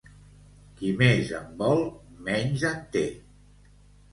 Qui més en vol, menys en té.